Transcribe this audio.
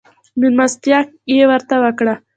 مېلمستيا يې ورته وکړه.